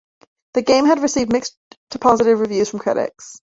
The game has received mixed to positive reviews from critics.